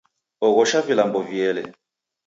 Oghosha vilambo viele